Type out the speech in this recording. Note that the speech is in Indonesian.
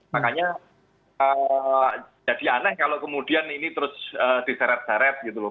makanya jadi aneh kalau kemudian ini terus diseret seret gitu loh